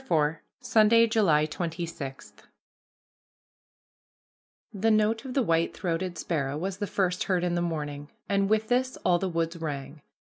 IV SUNDAY, JULY 26 The note of the white throated sparrow was the first heard in the morning, and with this all the woods rang.